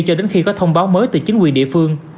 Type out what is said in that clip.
cho đến khi có thông báo mới từ chính quyền địa phương